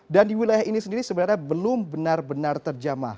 dan di wilayah ini sendiri sebenarnya belum benar benar terjamah